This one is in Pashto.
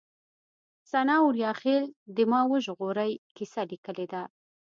سناء اوریاخيل د ما وژغورئ کيسه ليکلې ده